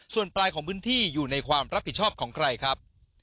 ส่วนปลายของพื้นที่อยู่ในความรับผิดชอบของใครครับ